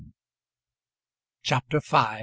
CHAPTER V.